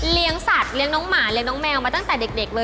สัตว์เลี้ยงน้องหมาเลี้ยน้องแมวมาตั้งแต่เด็กเลย